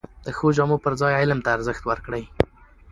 د ښو جامو پر ځای علم ته ارزښت ورکړئ!